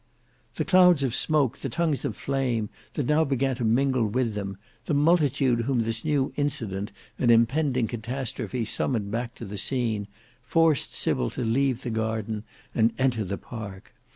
The clouds of smoke, the tongues of flame, that now began to mingle with them, the multitude whom this new incident and impending catastrophe summoned hack to the scene, forced Sybil to leave the garden and enter the park.